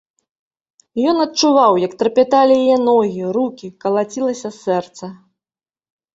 Ён адчуваў, як трапяталі яе ногі, рукі, калацілася сэрца.